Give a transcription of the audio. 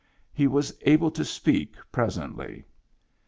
He was able to speak presently.